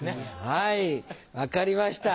はい分かりました。